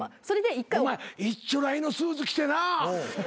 お前いっちょらいのスーツ着てな。